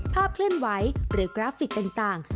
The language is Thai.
เคลื่อนไหวหรือกราฟิกต่าง